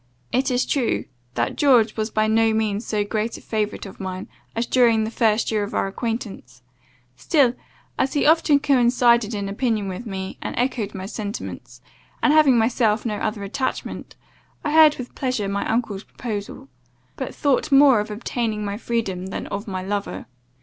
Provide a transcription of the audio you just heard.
It is true, that George was by no means so great a favourite of mine as during the first year of our acquaintance; still, as he often coincided in opinion with me, and echoed my sentiments; and having myself no other attachment, I heard with pleasure my uncle's proposal; but thought more of obtaining my freedom, than of my lover.